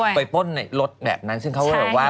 ไปปล้นรถแบบนั้นซึ่งเขาบอกว่า